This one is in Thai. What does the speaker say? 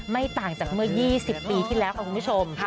ไม่ต่างจากเมื่อ๒๐ปีที่แล้วค่ะคุณผู้ชม